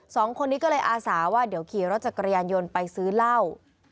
สองคนนี้ก็เลยอาสาว่าเดี๋ยวขี่รถจักรยานยนต์ไปซื้อเหล้า